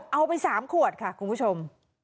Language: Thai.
เอาไป๓ขวดค่ะคุณผู้ชม